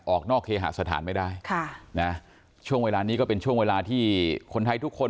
ออกนอกเคหาสถานไม่ได้ค่ะนะช่วงเวลานี้ก็เป็นช่วงเวลาที่คนไทยทุกคน